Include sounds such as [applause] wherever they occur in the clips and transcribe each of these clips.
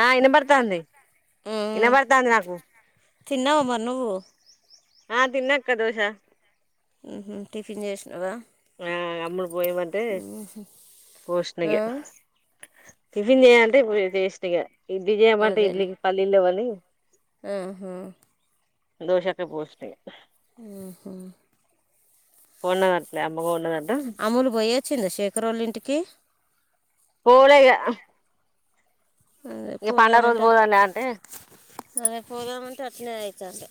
ఆ ఇనబడుతాంది ఇనబడుతాంది. నాకు తిన్నవ మరి నువ్వు? ఆ తిన్నక్క దోష ఉహుమ్ టిఫన్ చేసినవా? ఆ అమ్ములు పోయిమంటే పోష్నిగ ఆ? టిఫిన్ చేయంటే ఇప్పుడు చేసినగా ఇడ్లీ చేయమంటే ఇడ్లీకి పల్లీల్లు లేవ్వని ఉహుమ్ దోషకే పోషినగా ఉహుమ్ కొన్నాద్ అట్లే అమ్మ కొన్నది అన్ అమ్ములు పోయి వచ్చిందా శేకరోళ్ల ఇంటికి పోలే ఇగ అదే ఇగ పండగ రోజు పోదామంటా పోదాంలే అంటే అదే పోదామంటే అట్నే అయి సర్లే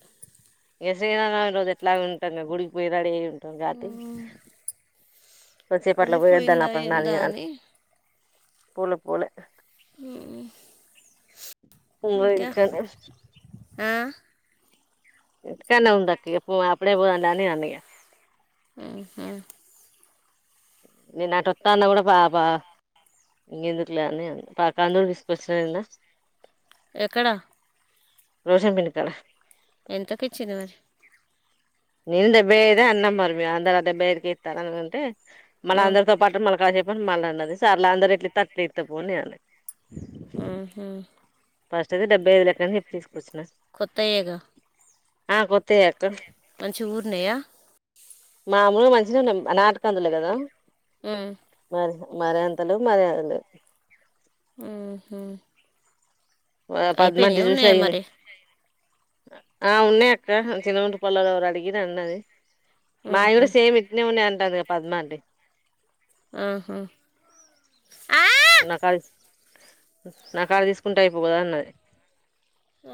ఇగ శ్రీరామనవమి రోజు ఎట్లాగ్ ఉంటాం గా గుడికి పోయి రడీ అయ్ ఉంటాం కావట్టి అదే కొసేపాట్లో పోయిందా పోయిద్దానాపన్ ఏందా నాదే అన్ అని పోలే పోలే ఉమ్ ఉన్న ఇంటికన్నే ఆ? ఇంటికన్నే ఉంది అక్క పో అప్పుడేపోదాం దా అని అన్న ఇగ మ్హూ. నే నటోత్తన కూడా పా పా ఇంకెందుకులే అని అన్ పా కందులు తీసుకొచ్చిన నిన్న ఎక్కడ? రోషన్ బిల్డింగ్ కాడా ఎంతకిచ్చింది మరి నేన్ డెబ్బై ఐదు అన్న మరి మీరు అందరు అదే డెబ్బై ఐదుకే ఇత్తారు అని అంటే మళ్ళా మ్మ్. అందరితో పాటు మళ్ళ కాసేప్పుని మళ్ళీ అన్నది సర్లే అందరు ఏట్లా ఇత్తే అట్లే ఇత్త పో నేన్ అన్నా ఆహా ఫస్ట్ ది డెబ్భైది లెక్కన చెప్పింది. కొత్తయేగా ఆ కొత్తయే అత్తు మంచిగా ఊరినయా? మామూలుగా మంచిగా ఉన్నం నాటుకందులే కదా! ఉమ్ మరియంతలేవ్ మర్యాదలేవ్ ఉహుమ్ ప పద్మంటి చూషి అడిగింది. మరి ఆ ఉన్నాయి అక్క అహ్ చిన్నగుంటి పల్లెల్లోలు ఎవరు అడిగిరు అన్నది. మాయ్ మ్హూ. కూడా సేమ్ ఇట్నే ఉన్నాయి. అంటందిగా పద్మాంటి ఆహా ఆ నాకాద్ నా కాడ తీసుకుంటే అయిపోవ్ కదా అన్నది. ఆ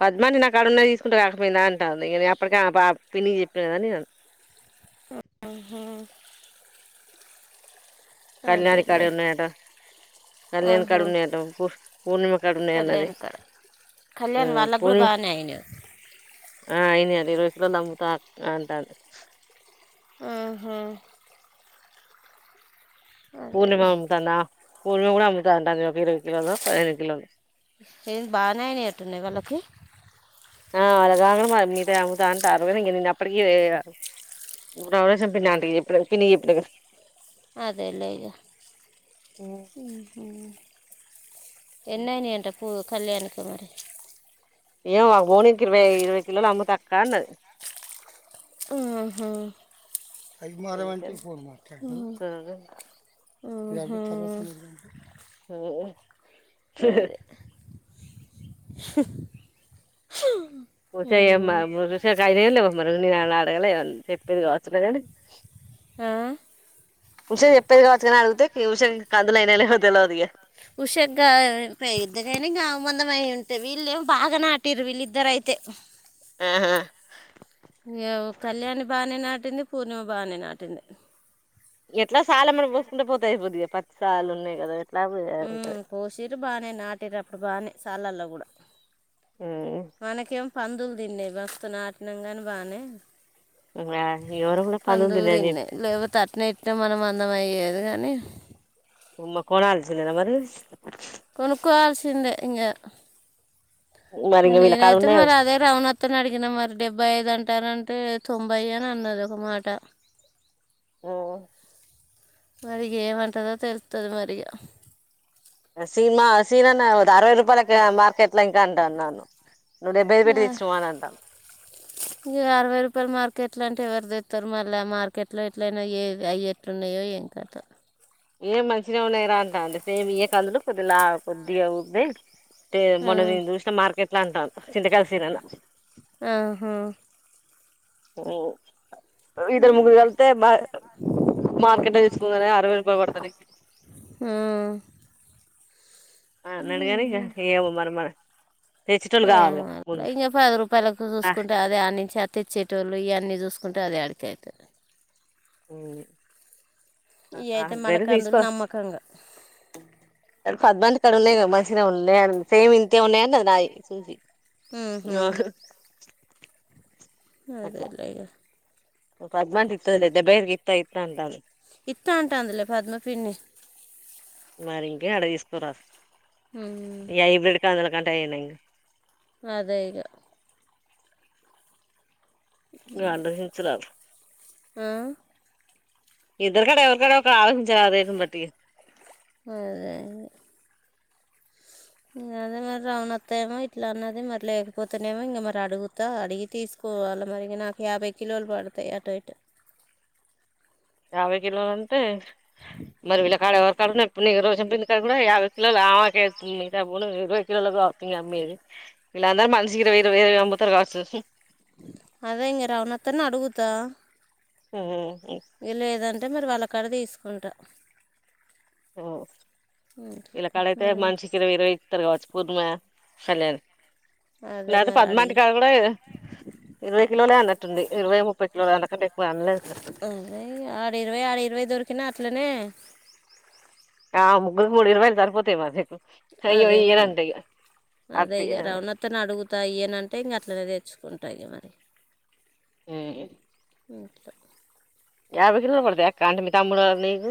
పద్మాంటి నాకాడున్నాయి తీసుకుంటే కాకపోయిందా అంటాంది. ఇగ నే అప్పటికే ఆ ప పిన్నికి చెప్పినగా నే అన్ [inaudible] ఓహో కళ్యాణికాడ ఉన్నాయట కళ్యాణ ఆహా కడున్నాయట ఫూఫ్ పూర్ణిమా కాడ ఉన్నాయ్ అన్నది. కళ్యాణి వాళ్ళగూడ బానే అయినయ్. ఆ అయినయి అట ఇరవై కిలోలు అమ్ముతా అంటంది. ఉహుమ్ పూర్ణిమ అదేలే అమ్ముతాందా పూర్ణిమ కూడా అముతాంటా ఒక ఇరవై కిలో పదిహేను కిలో ఏ బాగానేయని అట్టున్నాయి వాళ్ళకి ఆ అలా కాంగమా అమ్ముతా అంటారు ను అప్పటికీ వలేష పింటికి చెప్పుడు పి చెప్పిన అదే లే ఎన్న ని అంట పూ కళ్యాణకు మరి ఏ మూనీనికి ఇరవై ఇరవై కిలా అమ్ము తక్కన్న అయి మారమంట ఫోన్ మా ఆహ హ [inaudible] ఉమ్. ఉషఋష కాయద లే మనకు నేను అ అడగలే చెప్పేది కావచ్చున్నా కానీ ఆ ఉషన్ చెప్పేది కావచ్చు కాని అడిగితే ఉష కందులు అయినా లే తెలో అదిగా ఉషగ్గా అంత ఇల్ం బా నాటిర్ ఇల్ ఇద్దర అయితే ఆ ఆ కళ్యాణి బాగానే నాటింది పూర్ణిమ బాగానే నాటింది ఎట్లా సాల మన పోసుకుంటే పోతాయి బద్దిగా పది సార్లు ఉన్నాయి కదా ఎట్లా ఉంటది పోషీరు బాగానే నాటిరు అప్పుడు బాగానే సాలల్లో కూడా ఆ మనకేం పందులు తిన్నావి బస్తు నాటిన కాని బాగానే ఉమ్ ఆ ఎవరో కూడా పందులు తిన్నాయని చెప్పి తిన్నాయి లేకపోతే అట్న ఎట్న మనం అందం అయ్యే అందుగాని ఉమ్మా కోన ఆళ తమరి కొనుకోర్సిన లే ఇ మరి ఇంగ వీళ్ళ కాడ నేనైతే ఉన్నాయి మరి కావచ్చు అదే రవణత్తను అడిగినా మరి డెబ్బై ఐదు అంటానంటే తొంభై అని అన్నది ఒక మాట ఆఓ మరి ఏమంటందో తెలుస్తుంది మరిగా స సినిమా సీమానే అరవై రూపాయలకి మార్కెట్ లో ఇంకా అంటాన్నాను అరవై రూపాయలు మార్కెట్ ఇట్లాంటే ఎవరు తెస్తారు మళ్ళీ మార్కెట్లో ఎట్లయినా ఏ అయ్యేట్లున్నాయో ఏం కద ఏం మంచిగా ఉన్నాయిరా అంటా అంటే సేమ్ ఏ కందులు కొద్దిలా కొద్దిగా మొన్న నేను చూసిన మార్కెట్ లా అంటాను చింతకాళసిర ఆహా ఇరు ఆ ముగల్తే బ మార్కెట్ అ తీసుకుపోరు అరవై రూపాయ పడతారు ఆ ఆ అడగానే ఇంక ఏవ మరి మరి ఏ ఇంకా పది రూపాయలలకు చూసుకుంటే అదే ఆ నుంచి అతి ఇచ్చేటో ఇ అన్నీ చూసుకుంటే అది అడిక అవుతుంది ఇవి అయితే [inaudible] మన వేర ఫీస్ కందులు నమ్మకంగా పద్మంది కాడ ఉన్నాయి కదా మంచిగా ఉన్నాడి సేమ్ ఇంతే ఉన్నాయండి అది నాయి సూంచి అ హా అదేలా పద్మంత ఇతుద దెబ్బైర్కి ఇత్త ఇత్త అంత అ ఇత్తాంటాందిలే పద్మ పిన్ని మరి ఇంకే ఆడ తీసుకురా ఉమ్. ఈ హైబ్రిడ్ కందుల కంటే అయ్యే నయం అదేగా ఆలోచించరా ఆ? ఇద్దరు కడ ఎవరికడ ఒక ఆలోచించాల అదేటిని బట్టి అదే ఇ అదే మరి రవణ అత్తా ఏమో ఇట్లా అన్నది మరి లేకపోతేనేమో ఇంక మరి అడుగుతా అడిగి తీసుకు కోలు మరిగ నాకు యాభై కిలోలు పడతాయ్ అటుటు [unintelligible] యాభై కిలోలు అంటే మరి వీళ్ళ కాడ ఎవరి కాళన్నా ఎప్పుడు నీకు రోజంప ఇంది కాడ కూడా యాభై కిలోలు కతుంది మీ ఇరవై కిలోలో కావుతుంది అమ్మీది వీళ్ళందరు మనిషికి ఇరవై ఇరవై అముతారు కావచ్చు [unintelligible] అదే ఇంకా రావణ అత్తని అడుగుతా ఊ ఇ లేదంటే మరి వాళ్ళ కాడ తీసుకుంటా ఆ ఇట్లా ఇలా కాడైతే మరి మనిషికి ఇరవై ఇరవై ఇస్తారు కావచ్చు పూర్మ కల్యాణ్ అదే లేద మరి పద్మాంటి అడిగి కాడ కూడా ఇరవై కిలోలే అన్నంటుంది ఇరవై ముప్పై కిలో అంతకం అద ఆరు ఇరవై ఆరు ఇరవై దొరికినా అట్లనే ఆ ముగ్గురికి మూడు యిరవైలు సరిపోతాయి మరి అయ్యో అదే మరి ఇయడంట ఇక అదే ఇక రవణత్తను అడుగుతా ఇయనంటే ఇంక అట్లనే తెచ్చుకుంటా మరి ఊ ఇకా యాభై కిలోలు పడుతాయ అక్క అంటే మీ తమ్ముడు నీకు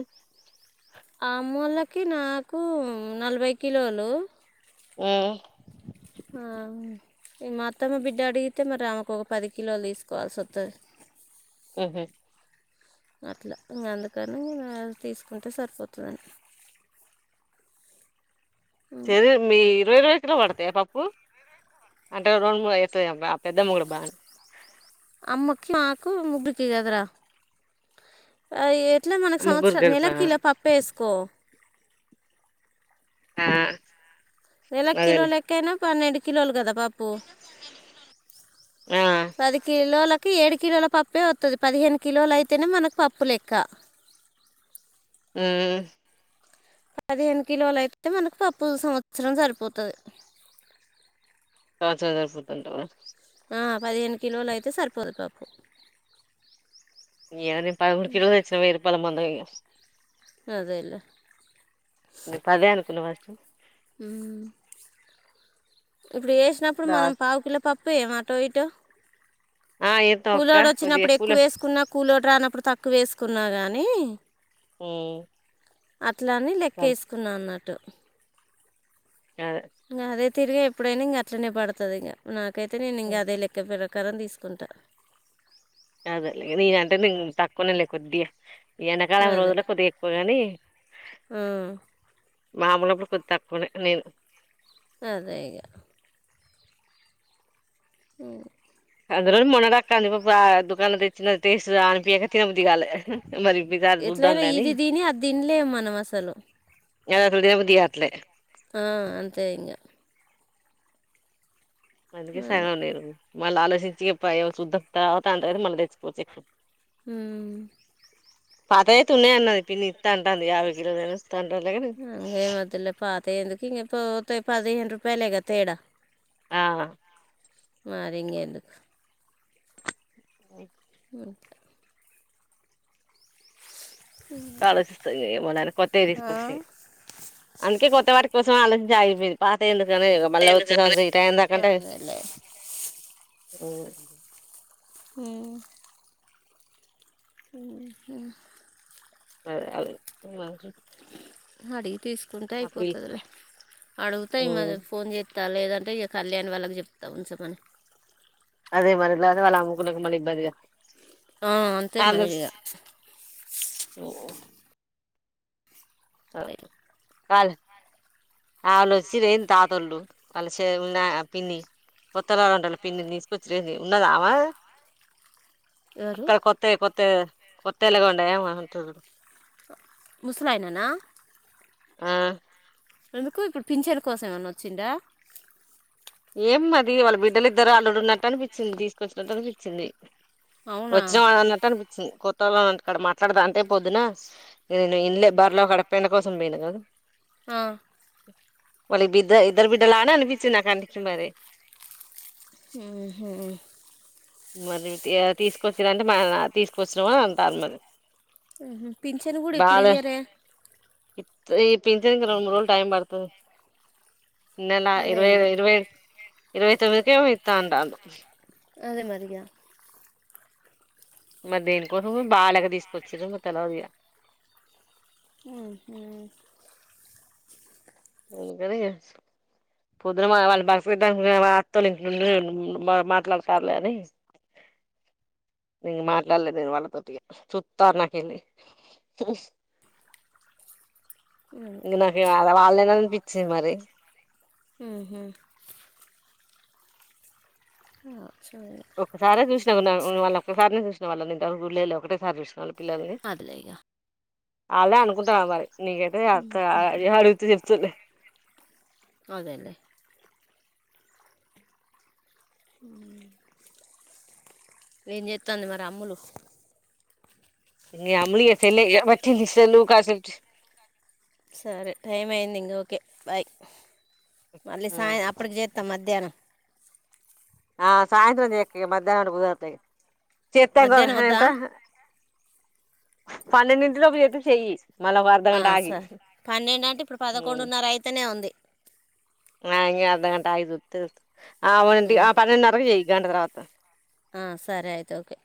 ఆమూలకి నాకు నలభై కిలోలు ఊ ఆ మా అత్తమ్మ బిడ్డ అడిగితే మరి ఆమెకు ఒక పది కిలోలు తీసుకోవాల్సి వస్తది ఊహు అట్లా ఇంకా అందుకని తీసుకుంటే సరిపోతుందండి సరే మీ ఇరవై ఇరవై కిలోలు పడతాయ పప్పు అంటే రెండు వస్తుంది బా పెద్దమ్మ కొడుకు బాగా అమ్మకి మాకు ముగ్గురికి కదరా ఇట్లా మనకు ముగ్గురు సంవత్సరం కలిపా నెలకి కిలో పప్ప వేసుకో ఆ నెలకి కిలో అదేలే లెక్కైనా పన్నెండు కిలోలు కదా పప్పు ఆ పది కిలోల ఏడు కిలోల పప్పే వత్తది పదిహేను కిలోలు అయితేనే మనకు పప్పు లెక్క హూమ్ పదిహేను కిలోలు అయితే మనకు పప్పు సంవత్సరం సరిపోతాది పా హజార్ పుతుంట ఆ పదిహేను కిలోలు అయితే సరిపోదు పప్పు ప కుడికిచ్చినయరు పదమంద అదేలే నే పదే అనుకున్న ఫస్ట్ ఇప్పుడు వేసినప్పుడు ఇప్పుడు మనం పావు కిలో పప్పు వేమ ఇటో ఆ ఏత్తం అక్క కూలర్ కొద్దిగా వచ్చినప్పుడు కూల ఎక్కువ వేసుకున్న కూలర్ రానప్పుడు తక్కువ ఉక్కు వేసుకున్నా కానీ ఊ అట్లని లెక్క వేసుకున్నా అన్నట్టు అదే ఇంక అదే తిరిగి ఎప్పుడైనా ఇంక అట్లనే పడుతుది ఇంక నాకైతే నేను ఇంక అదే లెక్క పెర కరం తీసుకుంటాను అదల నన అంటే తక్కువన లే కొద్దిగా వెనకాల అదే రోజుల్లో కొద్దిగా ఎక్కువగాని ఆ మామలప్పుడు కొద్దిగా తక్కువనే నేను అదే ఇగా ఉ అందు రోజు మునగాకు తాలింపు పా దుకాణ తెచ్చిన టేస్ట్ అనిపక తినబుద్ధి గాల ఎట్లైనా ఇది తిని అది తినలేము మనం అసలు యా తినబుద్ధి కావట్లే ఆ అంతే ఇంక అందుకే అదే సగం నేను మళ్ళ ఆలోచించి చూద్దాం తర్వాత అంటారు మళ్ళీ తెచ్చుకోవచ్చు ఉ పాత అయితున్నా అన్నది పిన్ని ఇస్త అంటుంది యాభై కిలోలైనా ఇస్తాంట కాని ఎందుకింకా పోతే రూపాయలేగా తేడా ఆ మరింగేందుకు అ ఇంకా ఆలోచిస్తాదేమో అని కొత్తవి ఆ తీసుకొస్తి అందుకే కొత్త వాటి కోసం ఆలోచించ సాగిపోయి పాతవెందుకు నిజమే కదా మళ్ళ వచ్చే సంవత్సరం ఈ టైం దాకంటే అదేలే ఉమ్ ఉహు అదే అదే మంచు అడిగి తీసుకుంటే అప్పి అయిపోతుందిలే అడుగుతాయి మా ఉమ్ ఫోన్ చే ఆ లేదంటే ఇక కళ్యాణ్ వాళ్ళకి చెప్తా ఉంచమని అదే మనకి లాగా వాళ్ళు అమ్ముకునేకి మళ్ళి ఇబ్బందిగా అంతే వాళ్ళు మరి ఇక ఆ ఆల్ ఆలోచిరేం తాతొళ్ళు వాళ్ళ చే న్న పిన్ని కొత్తలాగా ఉంటుంది పిన్ని తీసుకొచ్చిరేమి ఉన్నదా ఆమె ఎవరు అక్కడ కొత్తవి కొత్తవి కొత్తలాగా ఉండ ఏమ ఉంటుడు ముసలయాననా ఆ ఎందుకు ఇప్పుడు పింఛన్ కోసం ఏమన్నా వచ్చిండా ఏంమది వాళ్ళ బిడ్డలు ఇద్దరు అల్లుడు ఉన్నట్టు అనిపించింది తీసుకొచ్చినట్టు అనిపించింది అవునా వచ్చినా అన్నటన్ కొత్తవాళ్ళ ఇంటికాడ మాట్లాడతాంటే పోద్దునా నేను ఇన్లే బర్లా కాడ పెండ కోసం పోయినా కదూ ఆ వాళ్ళ బిద్ద ఇద్దర బిడ్డలానే అనిపించింది నా కంటికి మరి ఉహు మరి తీసుకొచ్చిరంటే మ తీసుకొచ్చినావా అంటానారు ఉహు పింఛను గూడా ఇప్పుడు ఇయ్యారే ఈ పింఛన్ కి రెండు మూడు రోజులు టైం పడతది నెల అదే ఇరవై ఇంకా ఇరవై ఇరవై వ తేదీకి ఇస్తానంటాన్నారు అదే మరి ఇక మరి దేనికోసమో బాలేక తీసుకొచ్చిండ్రు తెలవధిక ఉ హు అందుకని పొద్దున మావాళ్ళు బస్సు కి టైమ్ [unintelligible] తెల్లవారతో ఉండు మాట్లాడుతారు లె అనీ ఇంకా మాట్లాడలే నేను వళ్ళతోటిగా సుత్త నాకేమీ అదే. ఇంక నాక వాళ్ళేనా అనిపించింది మరి అహా ఆ ఒకసరే చూసినా వాళ్ళ ఒక్కసారి చూసిన వాల్లనీ ఇంతవరకు జుల్లే ఒకేసారి చూసిన వాళ్ళు పిల్లలని అదిలే ఇక ఆల్లే అనుకుంటార మరి నీకైతే అడుగుతే చెప్తుంది అదేలేే ఏం జెత్తంది మరి అమ్ములు ఏయామ్ములు ఎ చెల్లె వచ్చింది సెల్లు కసం సరే టైం అయింది ఇంగ ఓకే బాయ్ మళ్ళీ సాయ అప్పటికి జెత్త మధ్యాహ్నం ఆ సాయంత్రం ఎక్క మధ్యాహ్నడు బుధత చెత్తాంగా మధ్యాహ్నం వద్దా ఎంత పన్నెండింటిలోపు ఎప్పి చెయ్యి మళ్ళ ఒక అర్ధగంట సర పన్నెండు అంటే ఇప్పుడు ఆగి పదకొండున్నర అయితేనే ఉంది ఆ ఇం అర్ధగంట ఆగి జుత్తే ఆ పన్నెండున్నరకు చెయ్య గంట తర్వాత సరే అయితే ఓకే